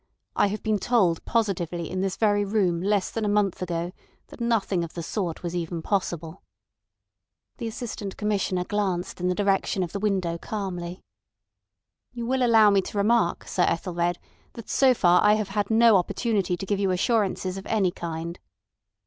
I have been told positively in this very room less than a month ago that nothing of the sort was even possible." The Assistant Commissioner glanced in the direction of the window calmly. "You will allow me to remark, Sir Ethelred, that so far I have had no opportunity to give you assurances of any kind."